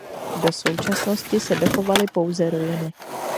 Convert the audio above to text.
Do současnosti se dochovaly pouze ruiny.